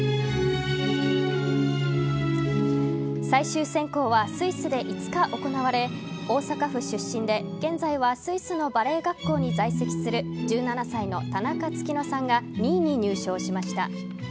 最終選考はスイスで５日行われ大阪府出身で現在はスイスのバレエ学校に在籍する１７歳の田中月乃さんが２位に入賞しました。